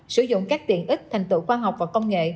sử dụng các tiện ích thành tựu khoa học và công nghệ